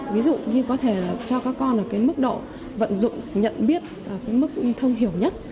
ví dụ như có thể cho các con ở mức độ vận dụng nhận biết mức thông hiểu nhất